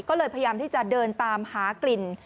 ก็เลยพยายามที่จะเดินตามหากลิ่น